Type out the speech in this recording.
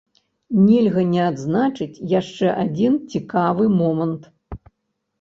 Нельга не адзначыць яшчэ адзін цікавы момант.